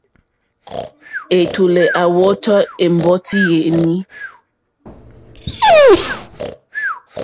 Ɛ̀tùlɛ̀ à wɔ́tɔ̀ ɛ̀mbɔ́tí yèní.